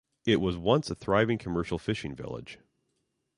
It was once a thriving commercial fishing village.